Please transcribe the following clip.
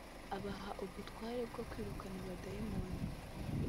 abaha ubutware bwo kwirukana abadayimoni